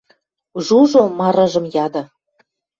– Жужо марыжым яды.